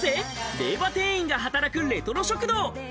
令和店員が働くレトロ食堂。